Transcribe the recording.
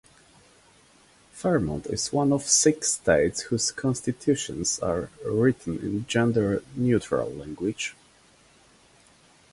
Vermont is one of six states whose constitutions are written in gender-neutral language.